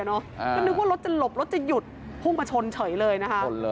ก็นึกว่ารถจะหลบรถจะหยุดพุ่งมาชนเฉยเลยนะคะ